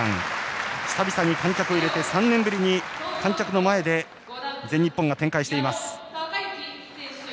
久々に観客を入れて３年ぶりに、観客の前で全日本が展開しています。